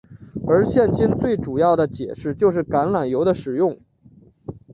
而现今最主要的解释就是橄榄油的使用。